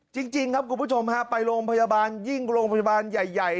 จริงครับคุณผู้ชมฮะไปโรงพยาบาลยิ่งโรงพยาบาลใหญ่